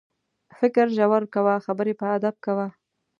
فکر ژور کوه، خبرې په ادب کوه.